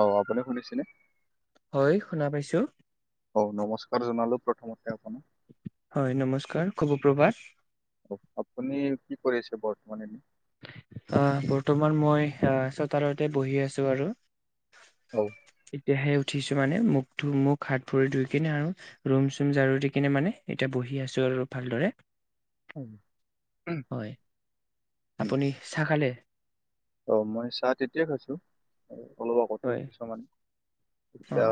অ আপুনি শুনিছেনে হয় শুনা পাইছো অ নমস্কাৰ জনালো প্ৰথমতে আপোনাক হয় নমস্কাৰ শুভ প্ৰভাত আপুনি কি কৰিছে বৰ্তমান এনে আহ বৰ্তমান মই আহ চতালতে বহি আছো আৰু অ এতিয়াহে উঠিছো মানে মোক ধ মোক হাত ভৰি ধুই কিনে আৰু ৰুম চুম জাৰু দি কিনে মানে এতিয়া বহি আছো আৰু ভালদৰে হয় হয় আপুনি চা খালে অ মই চাহ তেতিয়াই খৈছো অলপ আগতে হয় উঠিছ মানে অ এতিতিয়া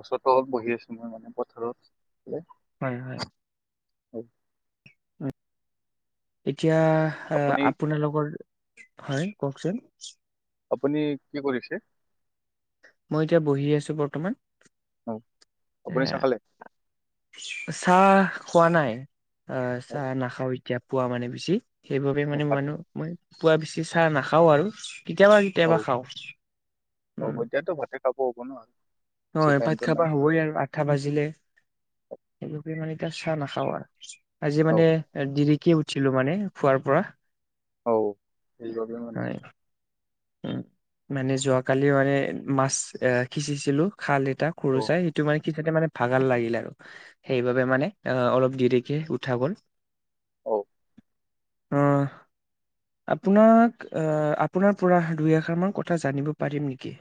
বছৰটো অলপ বহি আছো মই মানে পথাৰত হয় হয় অ উম এতিয়া আপুনি আপোনালৰ হয় কওকচোন আপুনি কি কৰিছে তেতিয়া বহি আছো বৰ্তমান অ এ আপুনি চাহ খালে? চাহ খোৱা নাই আহ অ চাহ নাখাও এতিয়া পোৱা মানে বেছি সেইবাবে অ মানে ভাত মানুহ মই পুৱা বেছি চাহ নাখাওঁ আৰু কেতিয়াবা কেতিয়াবা খাওঁ অব দাতো ভতেে খাব হ'ব ন আৰু হয় ভাত খাবা হ'বই আৰু আঠা ভাজিলে সেইে মানে এতিয়া চাহ নাখাও আৰু আজি অ মানে দৰিকে উঠ ছিলো মানে খোৱাৰ পৰা অ সেইবাবোবে মানে উ মানে যোৱাকালি মানে মাছ এ সিচিছিলো খাল এটা সৰু অ চাই সেইটো মানে কি মানে ভাগাল লাগিল আৰু সেইবাবে মানে আহ অলপ দেৰিকে উঠা গল অ অ আপোনাক আহ আপোনাৰ পুৰা দুইআষৰ কথা জানিব পাৰিম নেকি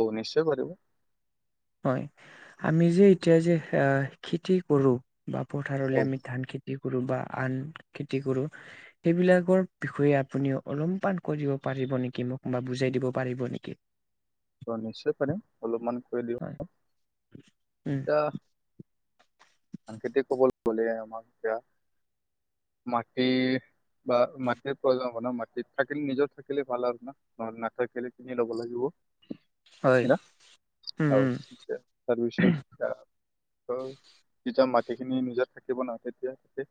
অ নিশ্চয় কৰিব হয় আমি যে এতিয়া যে আহ খেতি কৰো বা অ পথাৰলৈ আমি ধান খিত খ কৰো বা আন খেতি কৰো সেইবিলাকৰ বিষয়ে আপুনি অলম পান কৰিব বু ন অ নিশ্চয় পাৰিম অলপমান কৈ দিওঁ [unintelligible] এতিয়া সাং খেতিক কবলৈ গ'লে আমাক এতিয়া ম বা মাটিৰ প্ৰয়োজন হ ন মাটিত থাকিলে নিজৰ থাকিলে ভাল আৰু না নহলে নাথাকিলে কিনি ল'ব লাগিব হয় উম তাৰ বিত অ যেতিয়া মাটিখিনি নিজাত থাকিব নহ তেতিয়া ততে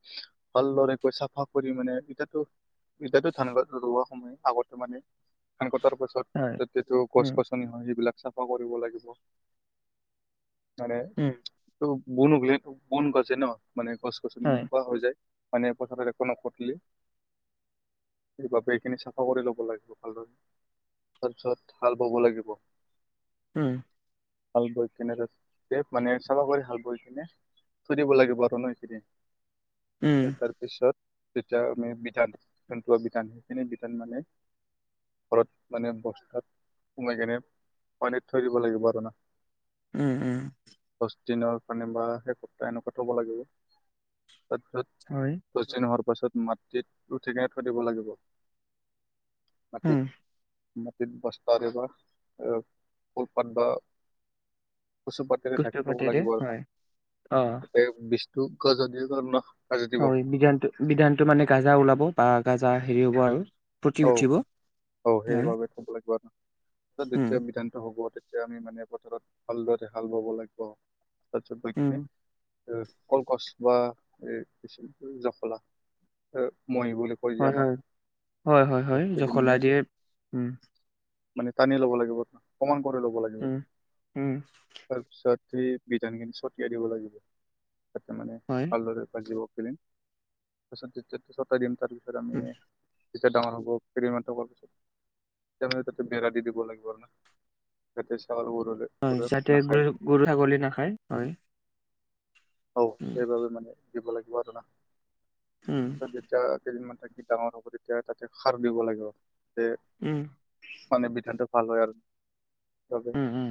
ভালদৰেকৈ চাফা কৰি মানে এতিো এতিয়াতো ধান ৰোৱা সময় আগতে মানে ধান তাৰ পাছত যতিটো গছ উম গছনি হয় সেইবিলাক চাফা কৰিব লাগিব মানে হয় উম উম ত বন [unintelligible] বন গছে ন মানে গছ গছনি হয় এনেকুৱা হৈ যায় [unintelligible] সেইবাবে এইখিনি চাফা কৰি লব লাগিব ভালদৰে তাৰপিছত হাল বাব লাগিব হম ভাল বৈ কেনে আছ মানে চাফা কৰি হাল বৈ কিনে [unintelligible] দিব লাগিব আৰু ন এইখিনি উম [unintelligible] যেতিয়া আমি বিধান বিধান সেইখিনি বিধান মানে ঘৰত মানে বস্তাত সোমাই কেনে [unintelligible] থৈ দিব লাগিব আৰু না উম উম দ দিনৰ কাৰণে বা সে সপ্তাহ এনেকুৱা থব লাগিব তাৰপিছত হয় দহ দ হোৱাৰ তাৰপাছত মাটিত উঠেকনে থৈ দিব লাগিব মাটিত উম মাটিত বস্তাৰে বা এ কলপাত বা কচুপাতিৰে কষ্ট থাকি থব পাতিৰে লাগিব এটা হয় অ ত [unintelligible] যদি সাজি দিব হয় বিধান বিধানটো মানে গাজা ওলাব বা গাজা হেৰি হ'ব আৰু ফুটি অ উঠিব অ হয়, সেইবাবে ক'ব লাগিব আৰু উম, দ্বিতীয় বিধান্ত হ'ব তেয়া আমি মানে পথাৰত ভালদৰে হাল বাব লাগিব তাৰিছত উম, বখিনি কলকচ বা এই এছ জখলা [unintelligible] হয়, আমাৰ হয়, হয়, হয়, হয় সেইটোদি জখলা মানে দিয়ে মানে টানি ল'ব লাগিব কমান কৰি ল'ব লাগিব উম, উম, তাৰপিছত সেই বিধানখিনি ছটিয়াই দিব লাগিব তাতে মানে হয়, ভালদৰে ভিব তাৰত ছটাই দিম তাৰপিছত আমি উম, ডাঙৰ হ'ব হ প বেৰা দি দিব লাগিব আৰু ন তাতে চউল হয় যাতে গৰু গৰু ছাগলী নাখায় হয় অ উম, সেইবাবে মানে দিব লাগিব আৰু না উম, ডাঙৰ হ'ব তেতিয়া তাতে সাৰ দিব লাগিব যে উম, মানে বিধান্ত ভাল হয় আৰু উম উম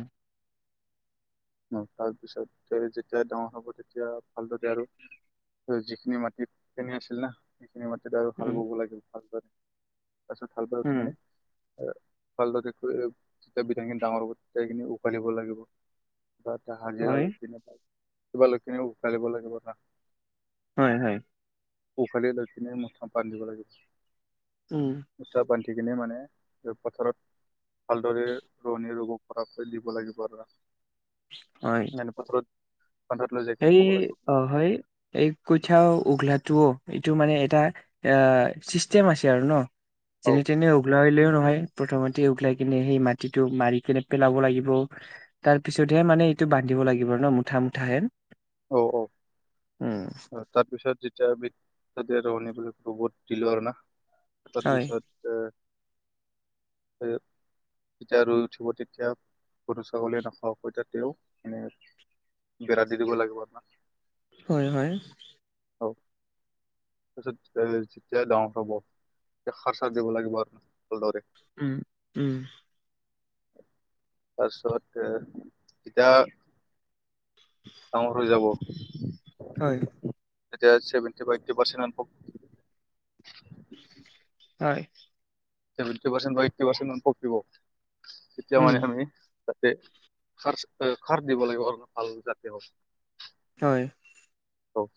আহ তাৰপিছতে যেতিয়া ডাঙৰ হ'ব তেতিয়া ভালদকে আৰু যিখিনি মাটিত কেনে আছিল না সেইখিনি মাটিত আৰু উম, [unintelligible] লাগিল ভালদৰে তাৰছত ভাল ব উ উম, ঠিকনে ভালদৰে যেতিয়া বিধা খিনি ডাঙৰ হ'ব তেতিয়া খিনি উফালিব লাগিব [unintelligible] এটা হাজিৰা হয়, লৈ কি কিব লৈিনি উকালিব লাগিব না হয় হয় পোখালি লখিনে মঠা বান্ধ দিব লাগিব উম, মঠা পান্ধ [unintelligible] মানে পথাৰত ভালদৰে ৰোৱনিৰ [unintelligible] খৰাপ কৰি দিব লাগিব আৰু মনে পত [unintelligible] উঘলাটো অ এইটো মানে এটা এ চিষ্টেম আছে আৰু ন অ [unintelligible] টনে উঘলা হলেও নহয় প্ৰথমতে উঘলাই কিনে সেই মাটিটো মাৰি কিনে পেলাব লাগিব তাৰ পিছতহে মানে এইটো বান্ধিব লাগিব ন মুঠা মুঠা হেন অ অ তাৰপিছত যেতিয়া ৰহন [unintelligible] দিলো আৰু না হয়। তাৰপিছত এ যেতিয়া ৰই উঠিব তেতিয়া গৰু ছাগলীয়ে নাখাওকৈ যাতেও মানে বিৰা দিদিব লাগিব না। হয় হয়। অ'। তাৰপিছত যেতিয়া ডাঙৰ হব এতিয়া খাৰ-চাৰ দিব লাগিব আৰু ভালদৰে। উম উম। তাৰপিছত এতিয়া ডাঙৰ হৈ যাব হয় এতিয়া ভেটি [unintelligible] হয়। সৱেন্তি পৰ্চেন্ত এইটটি পৰ্চেন্ত মন পকিব তেতিয়া উম মানে আমি যাতে খাৰ-খাৰ দিব লাগিব ভাল যাতে হও। হয়। অ'।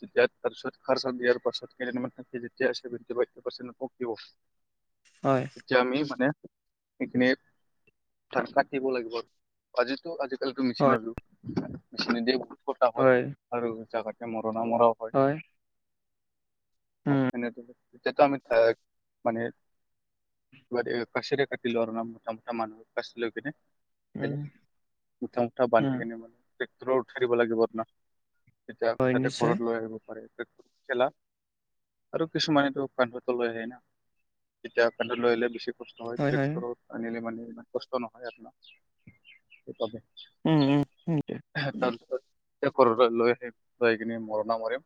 যেতিয়া তাৰপিছত খাৰ-চাৰ দিয়াৰ পাছত কেইদিন মান থাকি যেতিয়া সেৱেণ্টি ফিফটি পাৰ্চন্ত মান পকিব হয় এতিয়া আমি মানে সেইখিনি ধান থা- কাটিব লাগিব। আজিতো আজিকালিতো হয় মেচিনৰ যোগ মেচি দিয় বহুত কটা হয় ভাল জা [unintelligible] মৰা হয় উম এনে টো এতিটো আমি থাক মানে কাচিৰে কাটিলৰ ন মট মুট মানুহ কচি লৈ কেনে উম মুঠা মুঠা বান্ধি উম কেনে মানে টেক্টৰৰ উঠাৰিব লাগিব আপোনাৰ হয় তাতে নিশ্চয় খৰৰত লৈ আহিব পাৰে খেলা আৰু কিছুমানো কান্ধতো লৈ আহ না এতিয়া কান্ধত লৈ আহিললে বেছি কষ্ট হয় ট্ৰেক্টৰত আনিলে মানে ই কষ্ট নহয় আপোনাৰ সেইবাবে। উম উম। তাৰপিছত ঘৰলৈ লৈ আহি লৈ কিনি মৰণা মাৰিম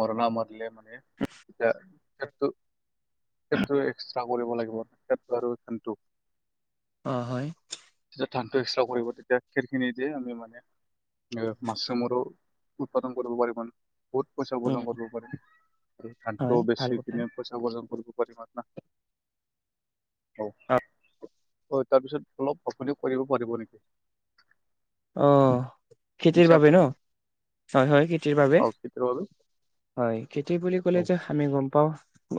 মৰনা মাৰিলে মানে [unintelligible] সটো সটো এক্স্ৰা কৰিব লাগিব সেইটো আৰু ধানটো অ', হয়। ধানটো যেতিয়া [unintelligible] কৰিব তেতিয়া খেৰ খিনি দিয়ে আমি মানে এ মাছৰুমৰো উৎপাদন কৰিব পাৰিম বহুত পইচা উম উপাৰ্জন কৰিব পাৰে, আৰু হয় ধানটো ভাল বেচি কথা কিনে পইচা উপাৰ্জন কৰিব অ [unintelligible] অ', তাৰপিছত অলপ আপুনি কৰিব পাৰিব নেকি? আহ খেতিৰ শুনিছে বাবে ন? আপুনি? হয় হয় খেতিৰ বাবে, অ', খেতিৰ বাবে। হয় খেতি বুলি ক'লে যে আমি গম পাও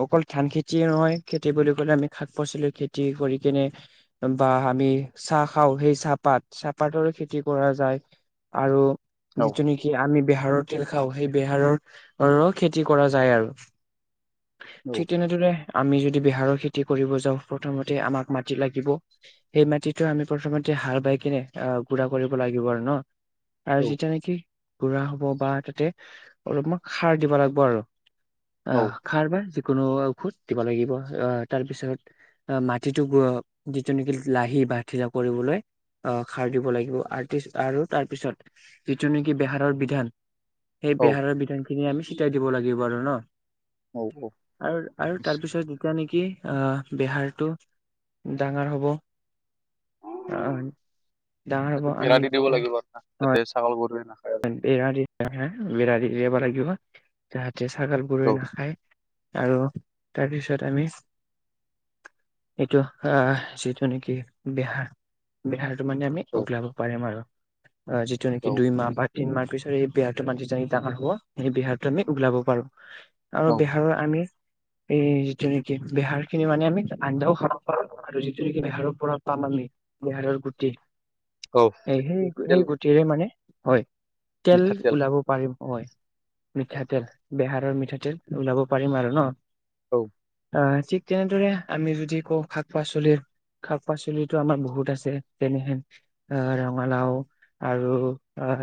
অকল ধান খেতিয় নহয়, খেতি বুলি কলে আমি শাক-পাচলি খেতি কৰি কেনে বা আমি চাহ খাওঁ সেই চাহপাত, চাহপাতৰ খেতি কৰা যায় আৰু যিটো নেকি আমি বেহাৰৰ তেল খাওঁ সেই বেহাৰৰ খেতি কৰা যায় আৰু। ঠিক তেনে দৰে আমি যদি বেহাৰৰ খেতি কৰিব যাওঁ প্ৰথমতে আমাক মাটি লাগিব। সেই মাটিটো আমি প্ৰথমতে হাল বাই কিনে আহ গুৰা‌ কৰিব লাগিব আৰু ন, আৰু যেতিয়া নেকি গুৰা হ'ব বা তাতে অলপমান খাৰ দিব লাগিব আৰু অ খাৰ বা কোনো ঔষধ দিব লাগিব, অ তাৰ পিছত মাটিতো যিটো নেকি লাহি বা ধিলা কৰিবলৈ অ খাৰ দিব লাগিব আৰু তাৰ পিছত যিটো নেকি বেহাৰৰ বিধান সেই বেহাৰৰ বিধান খিনি আমি চিটাই দিব লাগিব আৰু ন, আৰু আৰু তাৰপিছত যিতানেকি কি আহ বেহাৰটো ডাঙৰ হ'ব আহ ডাঙৰ হব তাতে বেৰা আমি দি দিব লাগিব, যাতে তাতে চাগল গৰুৱে ন [unintelligible] যাহতে ছাগাল বৰু নাখায়। আৰু তাৰ পিছত আমি এইটো আহ যিটো নেকি বেহাৰ বেহাৰ মানে আমি উওলাব পাৰিম আৰু। অ যিটো নেকি দুই মাহ বা তিনমাহ পিছত সেই বেহৰটো [unintelligible] ডাঙৰ হব সেই বেহৰটো আমি ওলাব পাৰো। আৰু বিহাৰত আমি এই যিটো নেকি বেহাৰ খিনি মানে আমি আঞ্জাও খাব পাৰো আৰু যিটো নেকি বেহাৰৰ পৰা বেহাৰৰ গুটি, এই তেল সেই-সেই গুটিৰে মানে হয়। তেল মিঠাতেল ওলাব পাৰিম হয়। মিঠাতেল, বেহাৰৰ মিঠাতেল ওলাব পাৰিম আৰু ন। অ। অ ঠিক তেনেদৰে আমি যদি কওঁ শাক-পাচলিৰ শাক-পাচলিটো আমাৰ বহুত আছে তেনেহেন আহ ৰঙালাও আৰু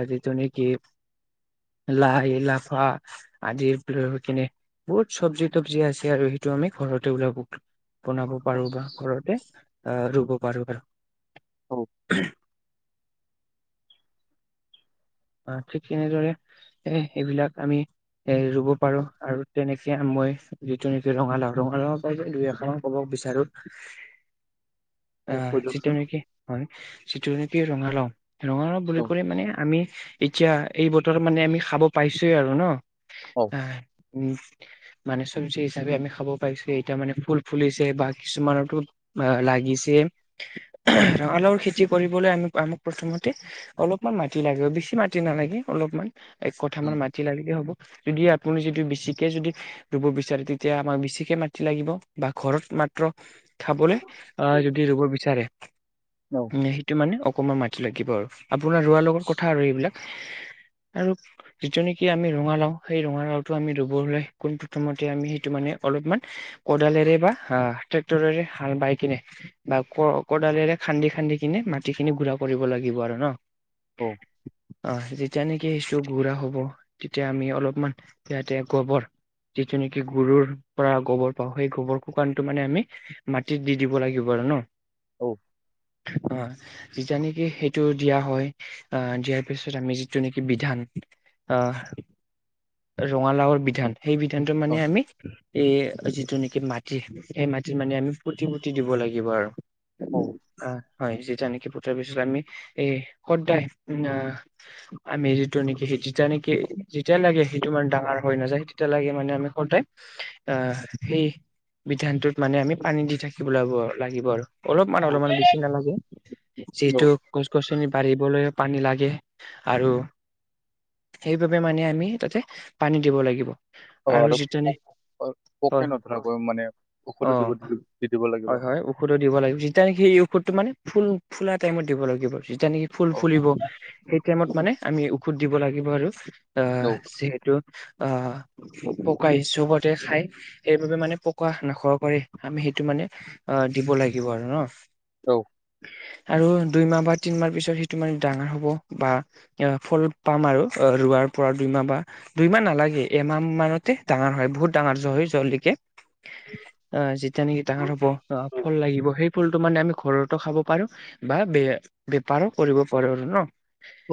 হেৰি নেকি লাই-লাফা আদিৰ কেনে বহুত চব্জি-তবজি আছে আৰু সেইটো আমি ঘৰতে ওলাব বনাব পাৰো বা ঘৰতে, আহ ৰুব পাৰো আৰু। [inaudible] অ ঠিক তেনেদৰে এ-এইবিলাক আমি এ ৰুব পাৰো, আৰু তেনেকে মই যিটো নেকি ৰঙালাও ৰঙালাও [unintelligible] দুই এখাৰ কব বিচাৰো কৈ আহ যিটো দিয়কচোন নেকি হয়, যিটো নেকি ৰঙালাও ৰঙালাও বুলি ক মানে আমি এতিয়া এই বতৰ মানে আমি খাব পাইছোয়ে আৰু ন। [inaudible] উম মানে চব্জি হিচাপে আমি খাব পাৰিছো, এতিয়া মানে ফুল ফুলিছে বা কিছুমানতো অ লাগিছে ৰঙালাওৰ খেতি কৰিবলৈ আমি আমাক প্ৰথমতে অলপ মাটি লাগিব, বেছি মাটি নালাগে অলপমান এক কঠামান মাটি লাগিলে হ'ব। যদি আপুনি যদি বেছিকে যদি ৰুব বিচাৰে তেতিয়া আমাক বেছিকে মাটি লাগিব বা ঘৰত মাত্ৰ খাবলৈ আহ যদি ৰুব বিচাৰে সেইটো মানে অকমান মাটি লাগিব আৰু আপোনাৰ ৰোৱাৰাৰ লগত কথা আৰু এইবিলাক [inaudible] আৰু যিটো নেকি আমি ৰঙালাও সেই ৰঙালাওটো আমি ৰুব হলে কোন প্ৰ্ৰথমতে আমি সেইটো মানে অলপ কৰে বা বাই কিনে বাাল খান্দি খান্দি কিনে মাটিখিনি গুড়া কৰিব লাগিব আৰু ন অ যেতিয়া নেকি সেইছো গুড়া হ'ব তেতিয়া আমি অলপমান সহতে গোবৰ যিটো নেকি গৰুৰ পৰা গোবৰ পাওঁ সেই গোবৰ শুকানটো মানে আমি মাটিত দি দিব লাগিব আৰু ন অ যি নেকি সেইটো দিয়া হয় আহ দিয়া তাৰপিছত আমি যিটো নেকি বিধান আহ ৰঙালাওৰ বিধান সেই বিধানটো মানে আমি এই যিটো নেকি মাটি এই মাটিত মানে আমি প্ৰতি ফূ্ত দিব লাগিব আৰু অ হয় যিতি নেকি পতাৰ পিছত আমি এই সদায় আমি যিটো নেকি স যেতিয়া নেকি যেতিয়া লাগে সেইটো ইমান ডাঙৰ হৈ নাযায় তেতিয়া লাগে মানে আমি তে আহ সেই বিধানটোত মানে আমি পানী দি থাকিব ল লাগিব আৰু অলপমান অলপমান বেছি নালাগে যিহেতু গছ গছনি বাঢ়িবলৈ পানী লাগে আৰু সেইবাবে মানে আমি তাতে পানী দিব লাগিব অ আৰু অ হয় পোকে নথৰাকৰাকৈ মানে ঔষধো অ দিব দি দি দিব লাগিব ফটো মানে ফুল ফুলা টাইমত দিব লাগিব যেতিয়া নেকি ফুল ফুলিব সেই মানে আমি ঔষধ দিব লাগিব আৰু অ যিহেতু। আহ পকাই চবতে খাই সেইবাবে মানে পকা নাখোৱা কৰে আমি। সেইটো মানে অ দিব লাগিব আৰু ন। আহ। আৰু দুইমাহ বা তিনমাহ পিছত সিটো মানে ডাঙৰ হ'ব। বা ফল পাম আৰু অ ৰোৱাৰ পৰা দুইমাহ বা দুইমাহ নালাগে এমাহ মানত। ডাঙৰ হয় বহুত ডাঙৰ জ হয় জলকে- অ যেিতিয়া নেকি ডাঙৰ হ'ব আহ ফল লাগিব সেই। ফুলটো মানে আমি ঘৰতো খাব পাৰো বা ব বেপাৰো কৰিব পাৰো আৰু ন।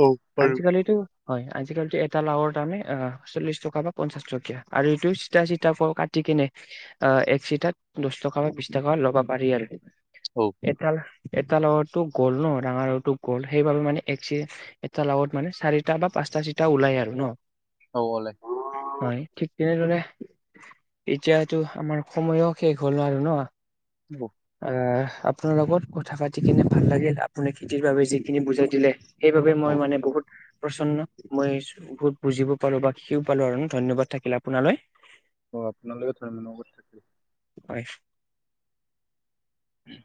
অ পাৰ। আজিকালিতো হয় আজিকালিতটো এটা লাওৰ তামে অ চল্লিশ টকা বা পঞ্চাশ টকীয়া আৰু এইটো চি - ঠিকনে অ এক চিটাত দহ টকা বা বিশ টকা ল'বা পাৰি আৰু। এটা এটাাৰ লগৰটো গ'ল ন ডাঙৰ লগৰো গ'ল সেইবাবে মানে একি- এটা লগাৱত মানে চাৰিটা বা পাঁচটা চিটা ওলাই আৰু ন। হয় ঠিক। তেনেধৰণে এতিয়াতো আমাৰ সময়ো শেষ হ'ল আৰু ন- আহ। আপোনাৰ লগত কথা পাতি কিনে ভাল লাগিল আপোননি খেতিৰ বাবে যিখিনি বুজাই দিলে। সেইবাবে মই মানে বহুত- প্ৰচন্ন মই বহুত বুজিব পাৰো বা শিকও পালো আৰু ধন্যবাদ থাকিল আপোনালৈ- অ আপোনালৈে থ মান লগত থাকি- হয়াই। উম।